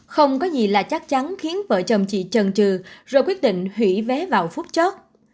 không có gì là chắc chắn khiến vợ chồng chị trần trừ rồi quyết định hủy vé vào phút chót